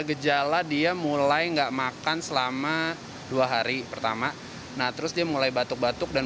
gejala dia mulai enggak makan selama dua hari pertama nah terus dia mulai batuk batuk dan